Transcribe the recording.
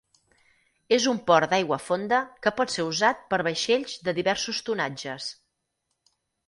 És un port d'aigua fonda que pot ser usat per vaixells de diversos tonatges.